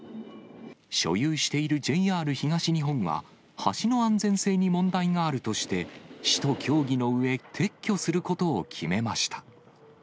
所有しているＪＲ東日本は、橋の安全性に問題があるとして、市と協議のうえ、撤去することを決めました。